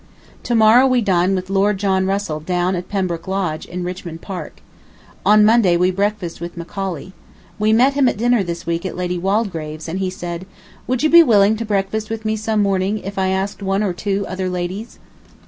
To morrow we dine with Lord John Russell down at Pembroke Lodge in Richmond Park. On Monday we breakfast with Macaulay. We met him at dinner this week at Lady Waldegrave's, and he said: "Would you be willing to breakfast with me some morning, if I asked one or two other ladies?"